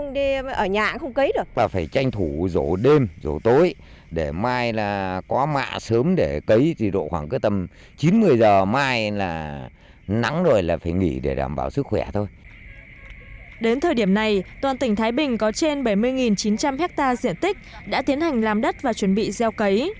đến thời điểm này toàn tỉnh thái bình có trên bảy mươi chín trăm linh hectare diện tích đã tiến hành làm đất và chuẩn bị gieo cấy